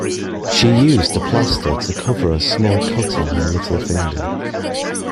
She used a plaster to cover a small cut on her little finger